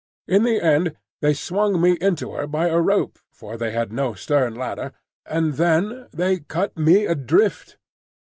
In the end, they swung me into her by a rope (for they had no stern ladder), and then they cut me adrift.